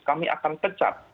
kami akan pecat